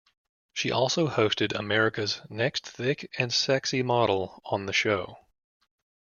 She also hosted "America's Next Thick and Sexy Model" on the show.